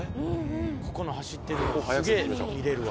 ここの走ってるところすげえ見れるわ。